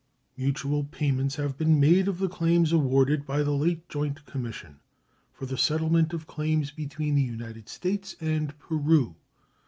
Mutual payments have been made of the claims awarded by the late joint commission for the settlement of claims between the United States and Peru.